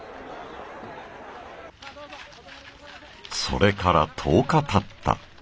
それから１０日たった。